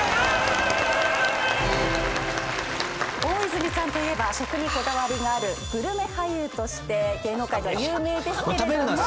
大泉さんといえば食にこだわりがあるグルメ俳優として芸能界では有名ですけれども。